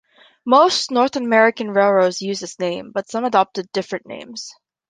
Most North American railroads used this name, but some adopted different names.